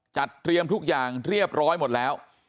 เตรียมทุกอย่างเรียบร้อยหมดแล้ว